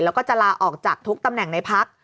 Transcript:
แล้วก็จะลาออกจากทุกตำแหน่งในพัก